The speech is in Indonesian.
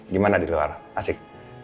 gimana di luar asik